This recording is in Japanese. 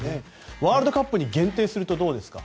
ワールドカップに限定するとどうですか？